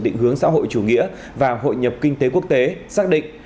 định hướng xã hội chủ nghĩa và hội nhập kinh tế quốc tế xác định